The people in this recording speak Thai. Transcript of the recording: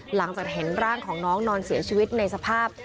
หลังจากเห็นร่างของน้องนอนเสียชีวิตในสภาพ